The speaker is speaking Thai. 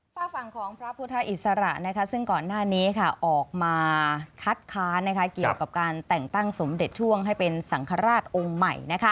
ฝากฝั่งของพระพุทธอิสระซึ่งก่อนหน้านี้ออกมาคัดค้านเกี่ยวกับการแต่งตั้งสมเด็จช่วงให้เป็นสังฆราชองค์ใหม่